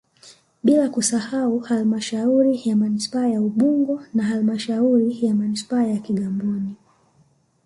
Bila kusahau halmashauri ya manispaa ya Ubungo na halmashauri ya manispaa ya Kigamboni